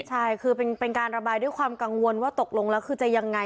ใช่คือเป็นการระบายด้วยความกังวลว่าตกลงแล้วคือจะยังไง